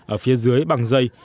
ở phía dưới bằng dây